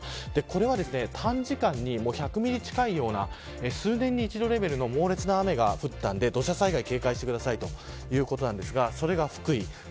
これは短時間に１００ミリ近いような数年に一度レベルの猛烈な雨が降ったんで土佐災害に警戒してくださいということですがそれが福井。